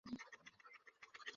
আমার ছেলে এই টাকার জন্য মরেছে।